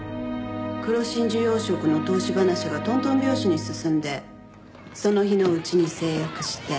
黒真珠養殖の投資話がトントン拍子に進んでその日のうちに成約して。